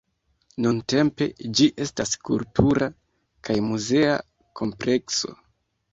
Nuntempe ĝi estas kultura kaj muzea komplekso.